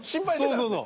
そうそうそう。